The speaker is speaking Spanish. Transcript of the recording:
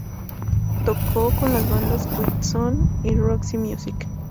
Tocó con las bandas Quiet Sun y Roxy Music.